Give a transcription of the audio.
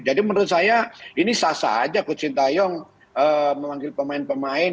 jadi menurut saya ini sah sah saja coach sintayong memanggil pemain pemain